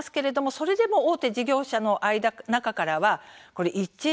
それでも大手事業者の中からは１円